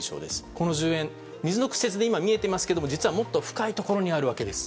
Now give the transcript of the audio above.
この十円玉水の屈折で見えていますが実は、もっと深いところにあるわけです。